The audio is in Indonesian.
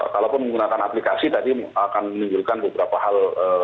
kalaupun menggunakan aplikasi tadi akan menimbulkan beberapa hal